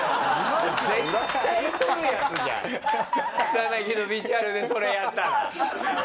草薙のビジュアルでそれやったら。